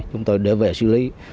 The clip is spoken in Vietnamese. chúng tôi để về xử lý